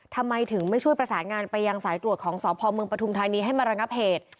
ทำไมถึงไม่ช่วยประสานงานไปยังสายตรวจของสพเมืองปฐุมธานีให้มาระงับเหตุ